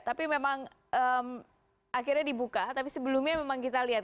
tapi memang akhirnya dibuka tapi sebelumnya memang kita lihat